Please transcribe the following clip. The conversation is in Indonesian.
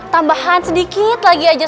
tambahan sedikit lagi aja